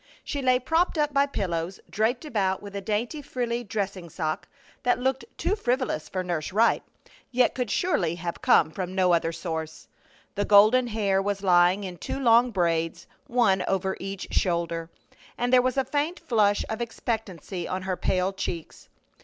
She lay propped up by pillows, draped about with a dainty, frilly dressing sacque that looked too frivolous for Nurse Wright, yet could surely have come from no other source. The golden hair was lying in two long braids, one over each shoulder, and there was a faint flush of expectancy on her pale cheeks.